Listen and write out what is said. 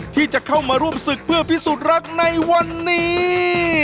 ที่จะเข้ามาร่วมศึกเพื่อพิสูจน์รักในวันนี้